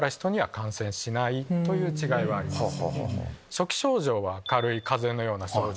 初期症状は軽い風邪のような症状。